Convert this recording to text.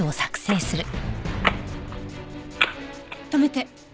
止めて。